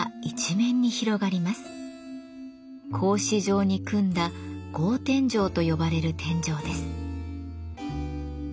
格子状に組んだ格天井と呼ばれる天井です。